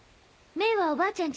メイはおばあちゃん